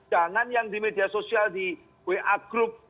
jangan yang di media sosial di wa group